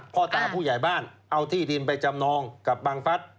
พ่อตาผู้ใหญ่บ้านเอาที่ดินไปจำนองกับบังฟัส